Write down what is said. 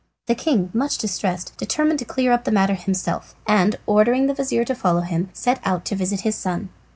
The king, much distressed, determined to clear up the matter himself, and, ordering the vizir to follow him, set out to visit his son.